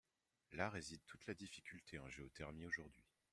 Là réside toute la difficulté en géothermie aujourd’hui.